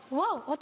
私？